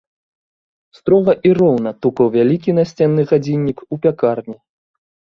Строга і роўна тукаў вялікі насценны гадзіннік у пякарні.